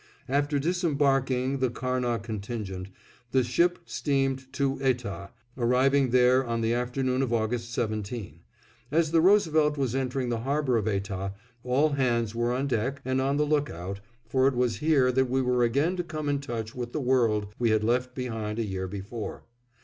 After disembarking the Karnah contingent, the ship steamed to Etah, arriving there on the afternoon of August 17. As the Roosevelt was entering the harbor of Etah, all hands were on deck and on the lookout, for it was here that we were again to come in touch with the world we had left behind a year before.